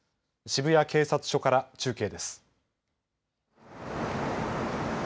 渋谷警察署から中継です。